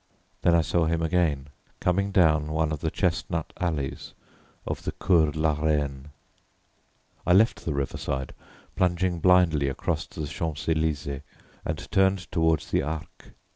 Then I saw him again coming down one of the chestnut alleys of the Cours la Reine. I left the river side, plunged blindly across to the Champs Elysées and turned toward the Arc.